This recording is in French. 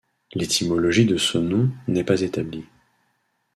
L'étymologie de ce nom n'est pas établie.